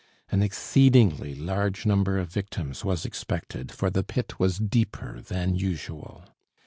An exceedingly large number of victims was expected, for the pit was deeper than usual.